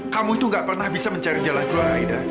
kamu itu gak pernah bisa mencari jalan keluar aida